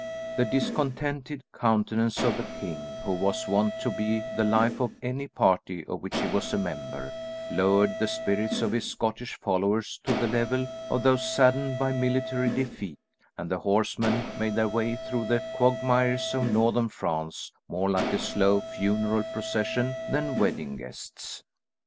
The discontented countenance of the king, who was wont to be the life of any party of which he was a member, lowered the spirits of his Scottish followers to the level of those saddened by military defeat and the horsemen made their way through the quagmires of Northern France more like a slow funeral procession than wedding guests.